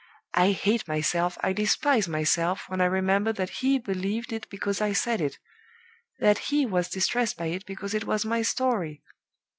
I hate myself, I despise myself, when I remember that he believed it because I said it that he was distressed by it because it was my story!